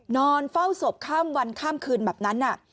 นอนเฝ้าศพข้ามวันข้ามคืนแบบนั้น